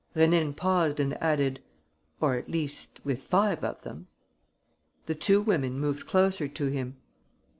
Rénine paused and added, "Or, at least, with five of them." The two women moved closer to him.